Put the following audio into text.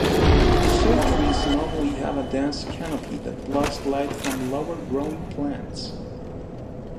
Shade trees normally have a dense canopy that blocks light from lower growing plants.